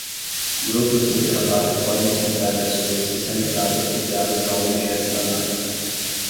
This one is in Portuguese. Grupos de trabalho podem convidar pessoas especializadas ligadas ao objeto da análise.